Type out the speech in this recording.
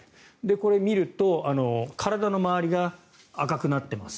これ、見ると体の周りが赤くなってます。